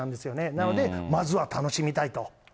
なので、まずは楽しみたいと。